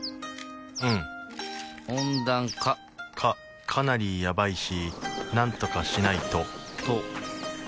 うん温暖化かかなりやばいしなんとかしないとと解けちゃうね